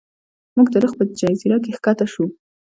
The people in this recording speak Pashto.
موږ د رخ په جزیره کې ښکته شو.